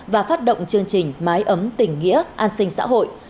và phát động chương trình mái ấm tình nghĩa an sinh xã hội